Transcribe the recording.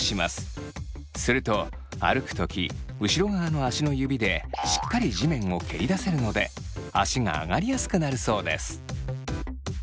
すると歩く時後ろ側の足の指でしっかり地面を蹴り出せるので足が上がりやすくなるそうです。